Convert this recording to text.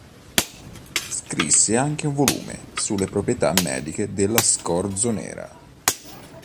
Scrisse anche un volume sulle proprietà mediche della scorzonera.